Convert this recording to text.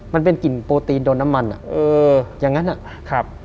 มันเป็นกลิ่นโปรตีนโดนน้ำมันอ่ะเอออย่างนั้นอ่ะครับ